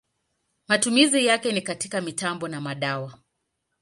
Matumizi yake ni katika mitambo na madawa.